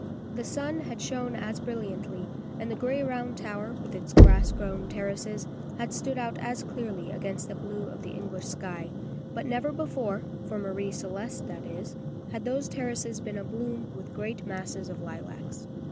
The sun had shone as brilliantly, and the gray round tower, with its grass grown terraces, had stood out as clearly against the blue of the English sky, but never before for Marie Celeste, that is had those terraces been abloom with great masses of lilacs.